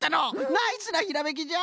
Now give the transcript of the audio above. ナイスなひらめきじゃ！